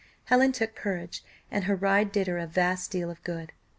Helen took courage, and her ride did her a vast deal of good.